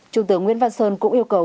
trung tướng nguyễn văn sơn cũng yêu cầu